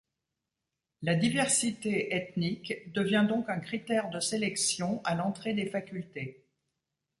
La diversité ethnique devient donc un critère de sélection à l'entrée des facultés.